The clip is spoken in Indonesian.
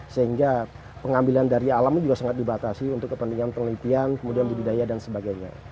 sehingga pengambilan dari alam juga sangat dibatasi untuk kepentingan penelitian kemudian budidaya dan sebagainya